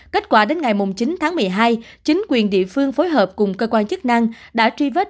kết quả đến ngày chín tháng một mươi hai chính quyền địa phương phối hợp cùng cơ quan chức năng đã truy vết